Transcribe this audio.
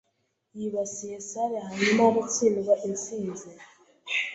yibasiye salle hanyuma aratsindwa Intsinzi